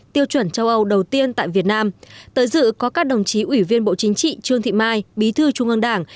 tiêu chuẩn châu âu đầu tiên tại việt nam tới dự có các đồng chí ủy viên bộ chính trị trương thị mai bí thư trung ương đảng